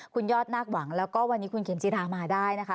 คุณยอดนาคหวังแล้วก็วันนี้คุณเข็มจิรามาได้นะคะ